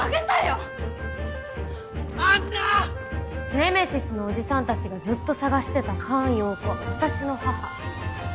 ネメシスのおじさんたちがずっと捜してた菅容子は私の母。